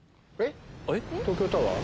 東京タワー？